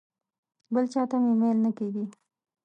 بل چاته مې میل نه کېږي.